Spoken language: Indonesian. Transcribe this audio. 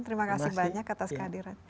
terima kasih banyak atas kehadiran